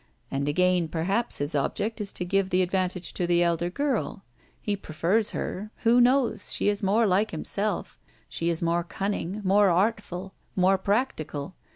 And again perhaps his object is to give the advantage to the elder girl. He prefers her who knows? she is more like himself she is more cunning more artful more practical.